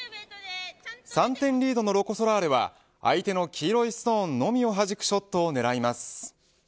３点リードのロコ・ソラーレは相手の黄色いストーンのみをはじくショットを狙います。